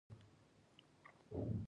ستا کور ته زړه نه غواړي؟ ولې نه.